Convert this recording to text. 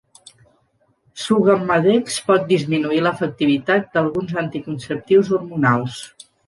Sugammadex pot disminuir l'efectivitat d'alguns anticonceptius hormonals.